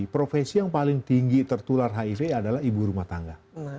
profesi yang paling tinggi tertular hiv adalah ibu rumah tangga